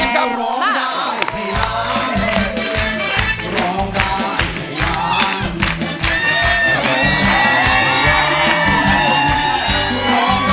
สวัสดีครับ